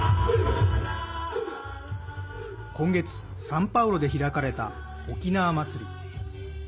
今月、サンパウロで開かれたおきなわ祭り。